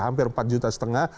hampir empat juta setengah